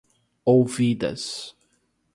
ouvidas